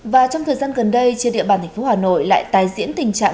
và trong thời gian gần đây trên địa bàn thành phố hà nội lại tái diễn tình trạng